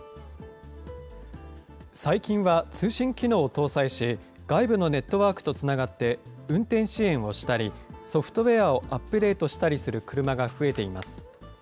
最近は、通信機能を搭載し、外部のネットワークとつながって、運転支援をしたりソフトウエアをアップデートしたりする車が増えています。